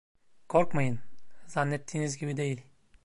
Korkmayın, zannettiğiniz gibi değil.